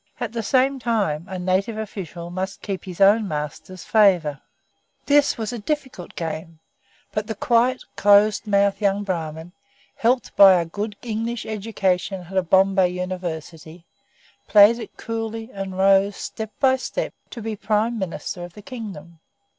At the same time a native official must keep his own master's favour. This was a difficult game, but the quiet, close mouthed young Brahmin, helped by a good English education at a Bombay University, played it coolly, and rose, step by step, to be Prime Minister of the kingdom.